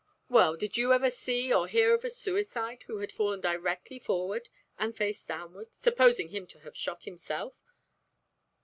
"Well, did you ever see or hear of a suicide who had fallen directly forward and face downward, supposing him to have shot himself?"